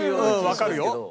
わかるよ。